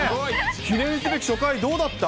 記念すべき初回、どうだった？